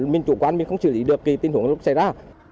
mình chủ quan không xử lý được tình huống lúc xảy ra